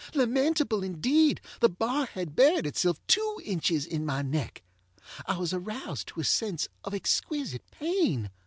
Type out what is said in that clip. Lamentable indeed! The bar had buried itself two inches in my neck. I was aroused to a sense of exquisite pain.